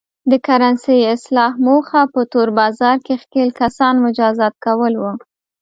د کرنسۍ اصلاح موخه په تور بازار کې ښکېل کسان مجازات کول و.